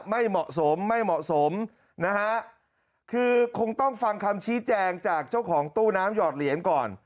ไม่เหมาะสมไม่เหมาะสมนะฮะคือคงต้องฟังคำชี้แจงจากเจ้าของตู้น้ำหอดเหรียญก่อน